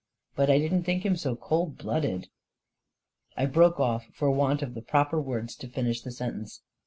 But I didn't think him so cold blooded ..." I broke off for want of the proper words to finish the sentence.